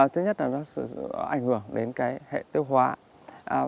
thứ nhất là nó sẽ ảnh hưởng đến cái hệ tiêu hoạch